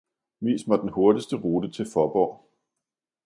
Vis mig den hurtigste rute til Faaborg